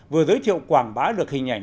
vừa giới thiệu quảng bá được hình ảnh